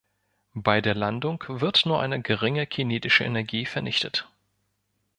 Bei der Landung wird nur eine geringe kinetische Energie vernichtet.